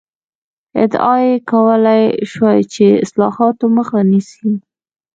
ادعا یې کولای شوای چې اصلاحاتو مخه نیسي.